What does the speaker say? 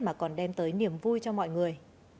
mà còn đem tới niềm vui cho mọi người